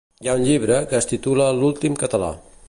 Hi ha un llibre que es titula l'últim català